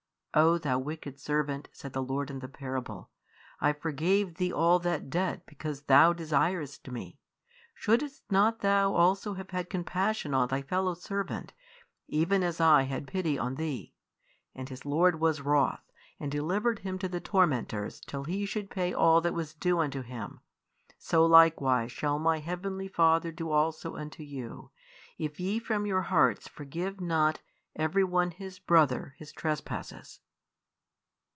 'O thou wicked servant, said the lord in the parable,'I forgave thee all that debt because thou desiredst me; shouldest not thou also have had compassion on thy fellow servant, even as I had pity on thee? And his lord was wroth, and delivered him to the tormentors, till he should pay all that was due unto him. So likewise shall My Heavenly Father do also unto you, if ye from your hearts forgive not every one his brother his trespasses.'